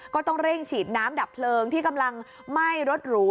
ก็ต้องเร่งฉีดน้ำดับเพลิงที่กำลังไหม้รถหรู